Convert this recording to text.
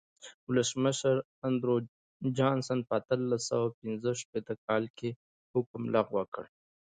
ولسمشر اندرو جانسن په اتلس سوه پنځه شپېته کال کې حکم لغوه کړ.